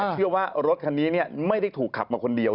เชื่อว่ารถคันนี้ไม่ได้ถูกขับมาคนเดียว